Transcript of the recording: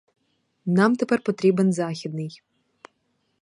Нам тепер потрібен західний.